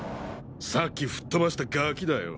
さっき吹っ飛ばしたガキだよ！